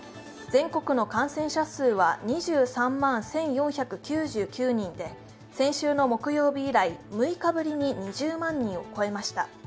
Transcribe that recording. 全国の感染者数は２３万１４９９人で先週の木曜日以来、６日ぶりに２０万人を超えました。